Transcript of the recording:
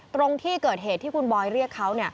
ตรงที่เกิดเหตุที่คุณบอยเรียกเขา